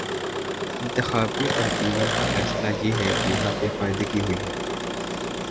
انتخابی ٹربیونل کا فیصلہ یہ ہے کہ یہاں بے قاعدگی ہو ئی ہے۔